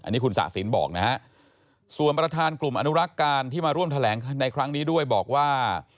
อันนี้คุณศาสินบอกนะฮะส่วนประธานกลุ่มอนุรักษ์การที่มาร่วมแถลงในครั้งนี้ด้วยบอกว่า